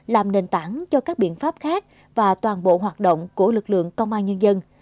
làm nền tảng cho các biện pháp khác và toàn bộ hoạt động của lực lượng công an nhân dân